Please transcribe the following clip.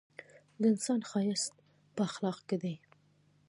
د انسان ښایست په اخلاقو کي دی!